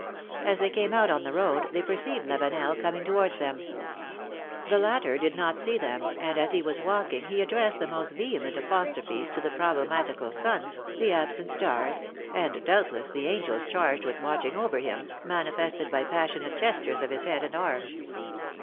As they came out on the road, they perceived Lavenel coming towards them. The latter did not see them, and as he was walking he addressed the most vehement apos trophes to the problematical sun, the absent stars, and doubtless the angels charged with watching over him, manifested by passionate gestures of his head and arms.